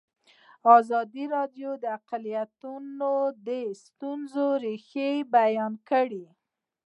ازادي راډیو د اقلیتونه د ستونزو رېښه بیان کړې.